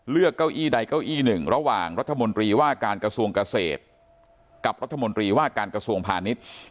เก้าอี้ใดเก้าอี้หนึ่งระหว่างรัฐมนตรีว่าการกระทรวงเกษตรกับรัฐมนตรีว่าการกระทรวงพาณิชย์